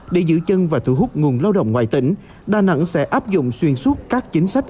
để giữ chân và thu hút nguồn lao động ngoài tỉnh đà nẵng sẽ áp dụng xuyên suốt các chính sách